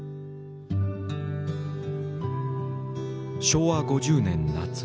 昭和５０年夏。